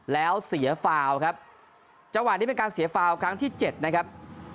แล้วเสียฟาวครับจังหวะนี้เป็นการเสียฟาวครั้งที่เจ็ดนะครับ